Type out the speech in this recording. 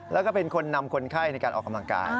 แล้วก็เป็นคนนำคนไข้ในการออกกำลังกาย